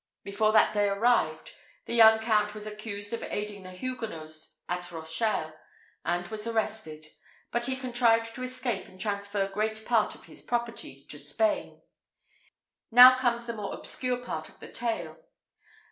Before that day arrived, the young Count was accused of aiding the Huguenots at Rochelle, and was arrested; but he contrived to escape and transfer great part of his property to Spain. Now comes the more obscure part of the tale.